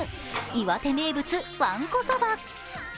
岩手名物わんこそば。